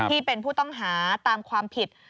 ที่เป็นผู้ต้องหาตามความผิด